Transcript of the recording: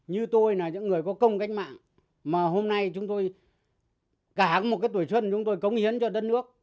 như tôi là những người có công cách mạng mà hôm nay chúng tôi cả một cái tuổi xuân chúng tôi cống hiến cho đất nước